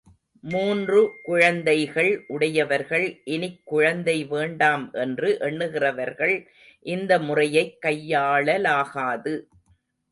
மூன்று குழந்தைகள் உடையவர்கள், இனிக் குழந்தை வேண்டாம் என்று எண்ணுகிறவர்கள் இந்த முறையைக் கையாளலாகாது.